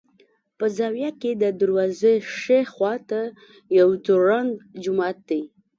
په زاویه کې د دروازې ښي خوا ته یو ځوړند جومات دی.